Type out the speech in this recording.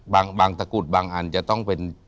บางตะกรุดบางอันจะต้องเป็น